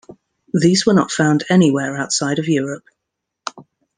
These were not found anywhere outside of Europe.